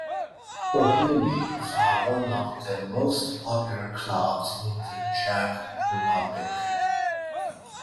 Bohemians are one of the most popular clubs in the Czech Republic.